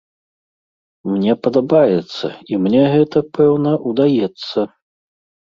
Мне падабаецца, і мне гэта, пэўна, удаецца.